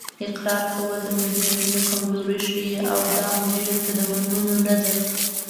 اقرار کول د مجرمینو کمزوري ښیي او دا مجرم ته د منلو نه ده